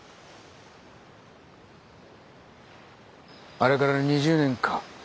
あれから２０年か。